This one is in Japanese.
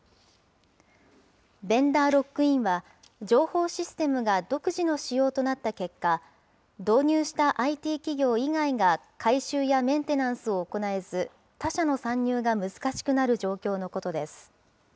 ベンダーロックインは、情報システムが独自の仕様となった結果、導入したＩＴ企業以外が改修やメンテナンスを行えず、他社の参入が難しくなる状況のことです。